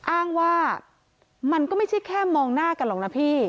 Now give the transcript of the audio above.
อ้างว่ามันก็ไม่ใช่แค่มองหน้ากันหรอกนะพี่